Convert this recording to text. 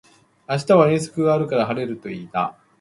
明日は遠足があるから晴れるといいな